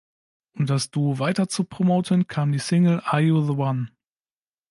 Um das Duo weiter zu promoten kam die Single "Are You The One?